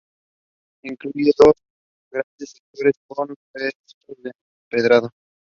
Incluye dos grandes sectores con restos de empedrado.